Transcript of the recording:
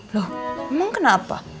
loh emang kenapa